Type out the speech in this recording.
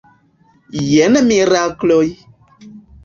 Jen mirakloj!